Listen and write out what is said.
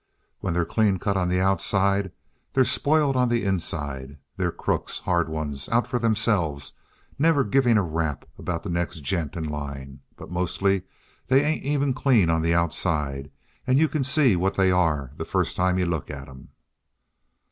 "When they're clean cut on the outside, they're spoiled on the inside. They're crooks, hard ones, out for themselves, never giving a rap about the next gent in line. But mostly they ain't even clean on the outside, and you can see what they are the first time you look at 'em.